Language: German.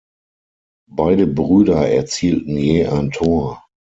Beide Brüder erzielten je ein Tor.